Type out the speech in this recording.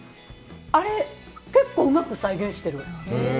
あれ、結構うまく再現してる。